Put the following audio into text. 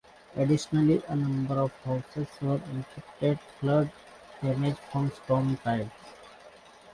Additionally, a number of houses were inflicted flood damage from storm tides.